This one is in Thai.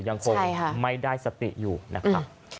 ยังคงไม่ได้สติอยู่นะครับ